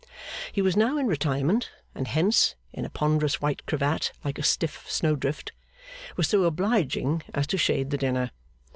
He was now in retirement, and hence (in a ponderous white cravat, like a stiff snow drift) was so obliging as to shade the dinner.